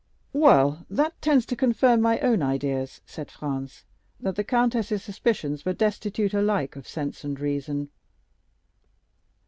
"Well, that tends to confirm my own ideas," said Franz, "that the countess's suspicions were destitute alike of sense and reason.